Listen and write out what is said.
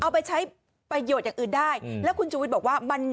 เอาไปใช้ประโยชน์อย่างอื่นได้แล้วคุณชูวิทย์บอกว่ามัน